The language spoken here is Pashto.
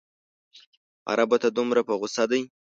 عربو ته دومره په غوسه دی.